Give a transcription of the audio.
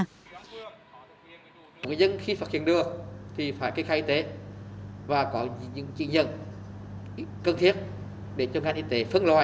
những người dân khi phát triển đưa thì phải kinh khai y tế và có những trị nhân cần thiết để cho ngàn y tế phân loại